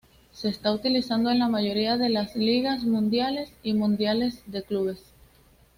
Se está utilizando en las mayoría de las ligas, mundiales y mundiales de clubes.